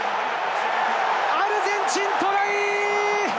アルゼンチン、トライ！